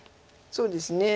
そうですね。